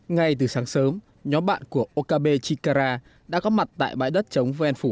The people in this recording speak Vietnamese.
ngay từ sáng sớm nhóm bạn của okabe chikara đã có mặt tại bãi đất chống ven phủ